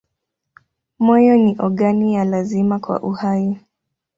Moyo ni ogani ya lazima kwa uhai.